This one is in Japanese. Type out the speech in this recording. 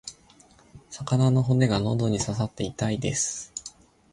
魚の骨が喉に刺さって痛いです。